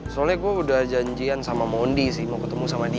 soalnya gue udah janjian sama mondi sih mau ketemu sama dia